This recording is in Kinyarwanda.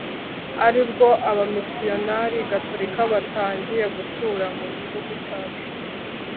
ari bwo Abamisiyonari gatolika batangiye gutura mu gihugu cyacu